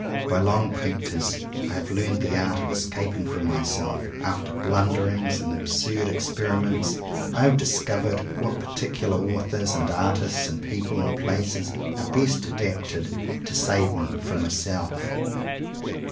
By long practice I have learned the art of escaping from myself. After blunderings and absurd experiments, 34 JOHN COWPER POWYS I have discovered what particular authors, and artists, and people, and places, are best adapted to save me from myself.